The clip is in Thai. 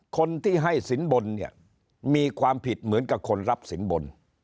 คนที่ให้สินบนเนี่ยมีความผิดเหมือนกับคนรับสินบน